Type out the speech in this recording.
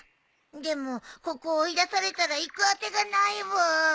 でもここを追い出されたら行くあてがないブー。